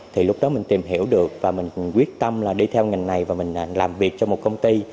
thì lúc đó mình tìm hiểu được và mình quyết tâm là đi theo ngành này và mình làm việc cho một công ty